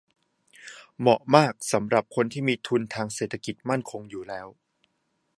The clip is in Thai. เหมาะมากสำหรับคนมีทุนทางเศรษฐกิจมั่นคงอยู่แล้ว